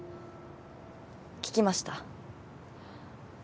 聞きました。